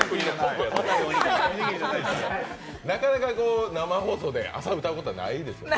なかなか、生放送で朝歌うことはないですよね。